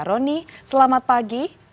roni selamat pagi